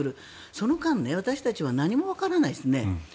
その間、私たちは何もわからないですね。